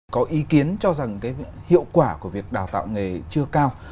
có ý kiến cho rằng cái hiệu quả của việc đào tạo nghề chưa cao